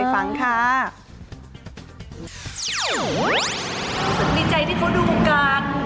สนิทใจที่เขาดูกัน